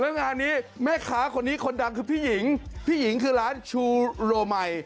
แล้วงานนี้แม่ค้าคนนี้คนดังคือพี่หญิงพี่หญิงคือร้านชูโรไม